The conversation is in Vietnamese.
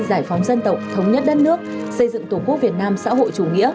giải phóng dân tộc thống nhất đất nước xây dựng tổ quốc việt nam xã hội chủ nghĩa